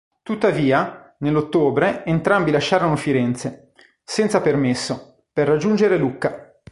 Tuttavia, nell'ottobre entrambi lasciarono Firenze, senza permesso, per raggiungere Lucca.